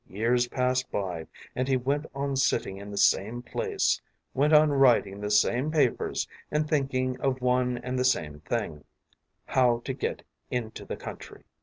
Years passed by, and he went on sitting in the same place, went on writing the same papers and thinking of one and the same thing how to get into the country.